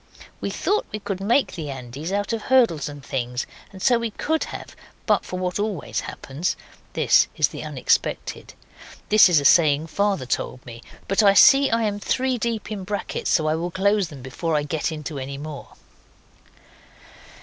(We thought we could make the Andes out of hurdles and things, and so we could have but for what always happens. (This is the unexpected. (This is a saying Father told me but I see I am three deep in brackets so I will close them before I get into any more).).).